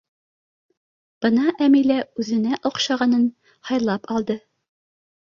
Бына Әмилә үҙенә оҡшағанын һайлап алды.